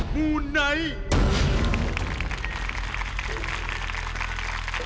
มูไนท์